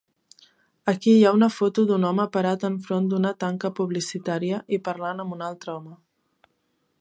Aquí hi ha una foto d'un home parat enfront d'una tanca publicitària i parlant amb un altre home.